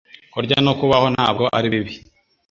Kurya no kubaho ntabwo ari bibi